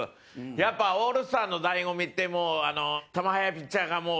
やっぱオールスターズの醍醐味って、もう球速いピッチャーが、もう。